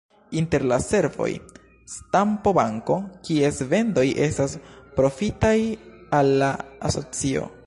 Inter la servoj, stampo-banko, kies vendoj estas profitaj al la asocio.